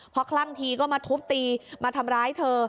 พอคลั่งทีก็มาทุบตีมาทำร้ายเธอ